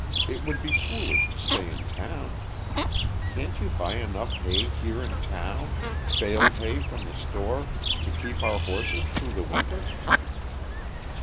It would be foolish to stay in town. Can't you buy enough hay here in town baled hay from the store to keep our horses through the winter?"